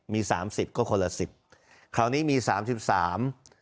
มีสามสิบก็คนละสิบคราวนี้มีสามสิบสาม